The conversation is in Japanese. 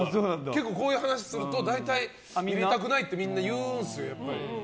結構、こういう話すると大体入れたくないってみんな言うんですよ、やっぱり。